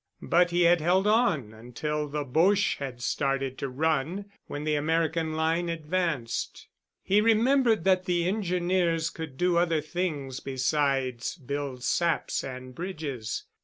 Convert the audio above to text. But he had held on until the Boches had started to run when the American line advanced. He remembered that the Engineers could do other things besides build saps and bridges.